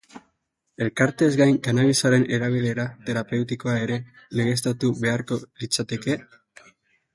Elkarteez gain, kannabisaren erabilera terapeutikoa ere legeztatu beharko litzateke?